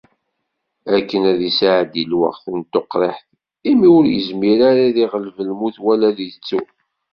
Akken ad isɛeddi lweqt n tuqriḥt imi ur izmir ara ad iɣleb lmut wala ad ittu.